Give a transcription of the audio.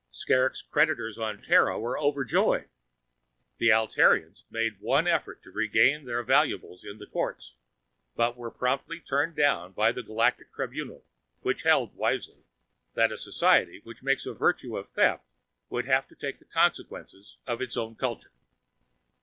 Skrrgck's creditors on Terra were overjoyed. The Altairians made one effort to regain their valuables in the courts, but were promptly turned down by the Galactic Tribunal which held, wisely, that a society which made a virtue of theft would have to take the consequences of its own culture.